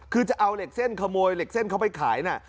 คือจะเอาเหล็กเส้นขโมยเหล็กเส้นเขาไปขายน่ะ